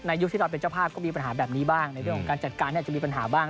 ยุคที่เราเป็นเจ้าภาพก็มีปัญหาแบบนี้บ้างในเรื่องของการจัดการที่อาจจะมีปัญหาบ้าง